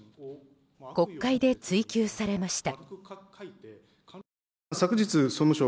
国会で追及されました。